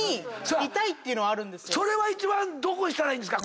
それはどうしたらいいんですか？